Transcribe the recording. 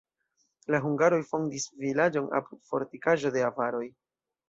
La hungaroj fondis vilaĝon apud fortikaĵo de avaroj.